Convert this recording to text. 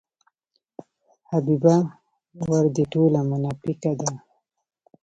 حبیبه ورا دې ټوله مناپیکه ده.